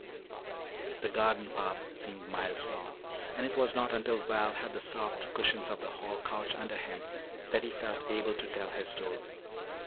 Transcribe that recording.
The garden path seemed miles long, and it was not until Val had the soft cushions of the hall couch under him that he felt able to tell his story.